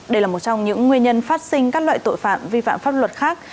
đây là một trong những nguyên nhân phát sinh các loại tội phạm vi phạm pháp luật khác